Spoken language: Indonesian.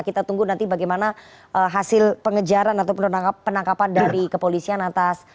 kita tunggu nanti bagaimana hasil pengejaran atau penangkapan dari kepolisian atas